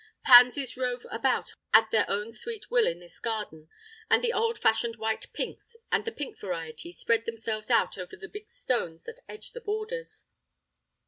Pansies rove about at their own sweet will in this garden, and the old fashioned white pinks and the pink variety spread themselves out over the big stones that edge the borders.